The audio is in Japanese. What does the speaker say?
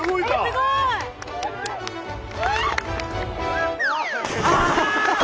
すごい！あ。